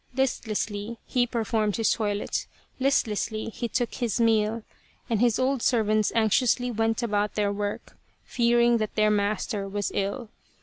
Listlessly he performed his toilet, listlessly he took his meal, and his old servants anxiously went about their work, fearing that their master was ill.